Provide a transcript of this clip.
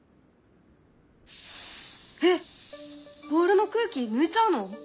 えっボールの空気抜いちゃうの？